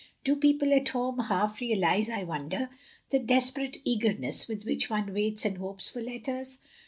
Do people at home half realise, I wonder, the desperate eagerness with which one waits and hopes for letters?